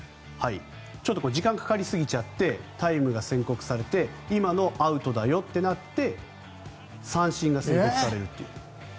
ちょっとこれ時間がかかりすぎてタイムが宣告されて今のアウトだよとなって三振が宣告されるという。